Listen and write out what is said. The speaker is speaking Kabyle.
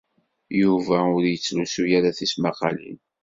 Yuba ur yettlusu ara tismaqqalin.